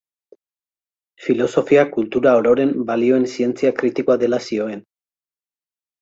Filosofia kultura ororen balioen zientzia kritikoa dela zioen.